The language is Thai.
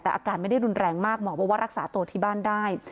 แต่อาการไม่ได้รุนแรงมากหมอบอกว่ารักษาตัวที่บ้านได้